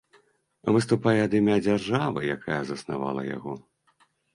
Выступае ад імя дзяржавы, якая заснавала яго.